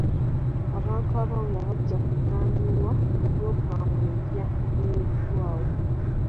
Abantu abawera bajja kuganyulwa mu pulogulaamu empya eteereddwawo.